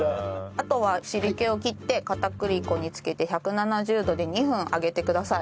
あとは汁気を切って片栗粉に付けて１７０度で２分揚げてください。